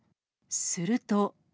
すると。